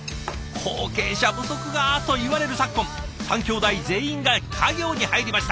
後継者不足がといわれる昨今３兄弟全員が家業に入りました。